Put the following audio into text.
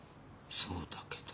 そうだけど。